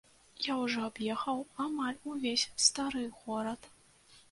Я ўжо аб'ехаў амаль увесь стары горад.